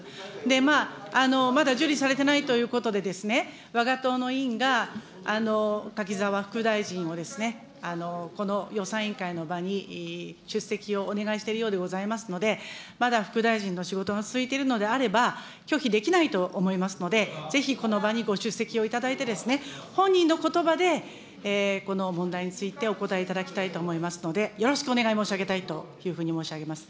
まあ、まだ受理されてないということで、わが党の委員が柿沢副大臣をですね、この予算委員会の場に出席をお願いしてるようでございますので、まだ副大臣の仕事が続いているのであれば、拒否できないと思いますので、ぜひこの場にご出席をいただいて、本人のことばで、この問題についてお答えいただきたいと思いますので、よろしくお願い申し上げたいというふうに申し上げます。